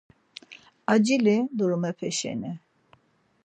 Acili durumepe şeni.